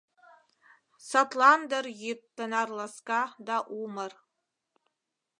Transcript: Садлан дыр йӱд тынар ласка да умыр.